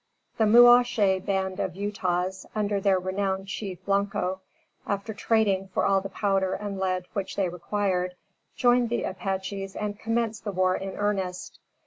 The Muache band of Utahs, under their renowned Chief Blanco, after trading for all the powder and lead which they required, joined the Apaches and commenced the war in earnest.